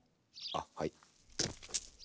あっはい。